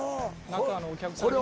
中のお客さん。